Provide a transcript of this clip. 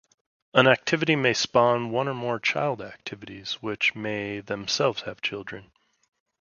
An activity may spawn one or more child activities, which may themselves have children.